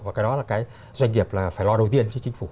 và cái đó là cái doanh nghiệp là phải lo đầu tiên cho chính phủ